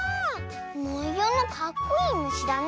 もようもかっこいいむしだね。